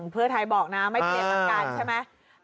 เพื่อไทยบอกนะไม่เปลี่ยนอาการใช่ไหม